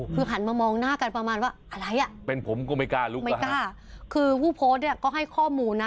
คือหันมามองหน้ากันประมาณว่าอะไรอ่ะเป็นผมก็ไม่กล้าลุกไม่กล้าคือผู้โพสต์เนี่ยก็ให้ข้อมูลนะ